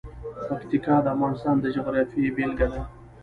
پکتیکا د افغانستان د جغرافیې بېلګه ده.